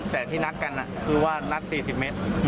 แต่ที่นัดกันคือว่านัด๔๐เมตร